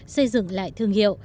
xây dựng lại thương hiệu